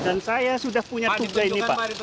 dan saya sudah punya tugas ini pak